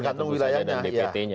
tergantung wilayahnya ya